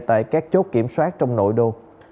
tại các chốt kiểm soát trong nội đô